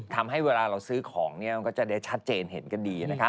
ทำให้เวลาเราซื้อของมันก็จะได้ชัดเจนเห็นกันดี